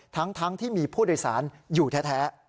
ทั้งที่มีผู้โดยสารอยู่แท้